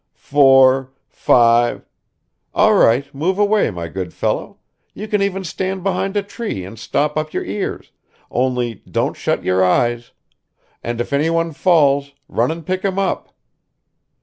"Four, five ... all right, move away, my good fellow; you can even stand behind a tree and stop up your ears, only don't shut your eyes; and if anyone falls, run and pick him up.